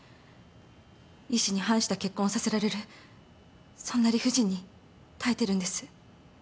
意思に反した結婚をさせられるそんな理不尽に耐えてるんです。